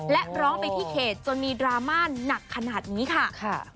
และร้องไปที่เขตจนมีดราม่าหนักขนาดนี้ค่ะ